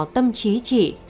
tâm trí chị